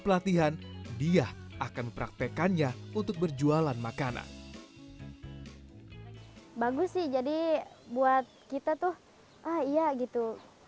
pelatihan dia akan mempraktekannya untuk berjualan makanan bagus sih jadi buat kita tuh ah iya gitu